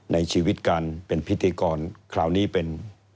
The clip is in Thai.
ในชีวิตการเป็นพิธีกรคราวนี้เป็น